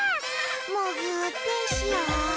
むぎゅーってしよう！